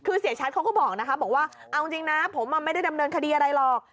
คือเสียชัดเขาก็บอกนะคะบอกว่าเอาจริงนะผมไม่ได้ดำเนินคดีอะไรหรอก